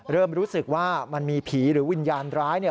เริ่มรู้สึกว่ามันมีผีหรือวิญญาณร้ายเนี่ย